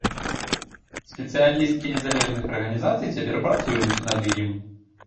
Спецыялісткі незалежных арганізацый цяпер працуюць над ім.